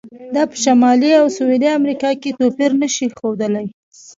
دا په شمالي او سویلي امریکا کې توپیر نه شي ښودلی.